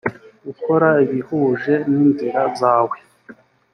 gukora ibihuje n inzira zawe